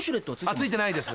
付いてないです。